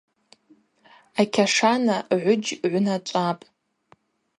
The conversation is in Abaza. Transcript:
Акьашана гӏвыджь гӏвначӏвапӏ:.